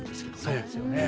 そうですよね。